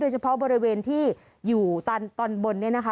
เฉพาะบริเวณที่อยู่ตอนบนเนี่ยนะคะ